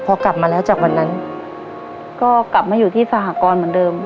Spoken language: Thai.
พอกลับมาแล้วจากวันนั้นก็กลับมาอยู่ที่สหกรณ์เหมือนเดิม